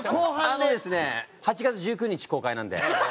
あのですね８月１９日公開なんで。